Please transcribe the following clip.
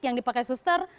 yang dipakai suster